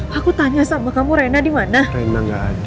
patrick terima kasih